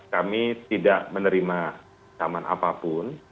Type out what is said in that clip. kami tidak menerima zaman apapun